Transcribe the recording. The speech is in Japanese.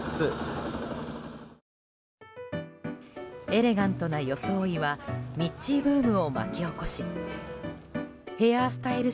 エレガントな装いはミッチーブームを巻き起こしヘアスタイル